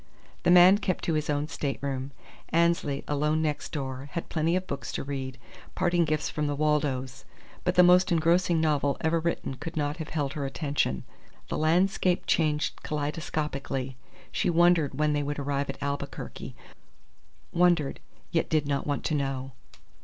The man kept to his own stateroom. Annesley, alone next door, had plenty of books to read, parting gifts from the Waldos; but the most engrossing novel ever written could not have held her attention. The landscape changed kaleidoscopically. She wondered when they would arrive at Albuquerque, wondered, yet did not want to know.